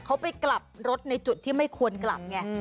เขาไปกลับรถในจุดที่ไม่ควรกลับไง